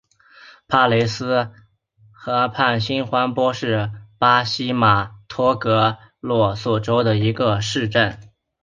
帕雷西斯河畔新坎波是巴西马托格罗索州的一个市镇。